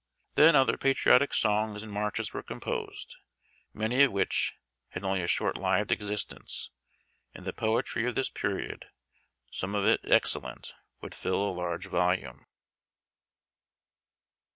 Then other patriotic songs and marches were composed, many of which had only a short lived existence ; and the poetry of this })eriod, some of it excellent, would fill a large volume.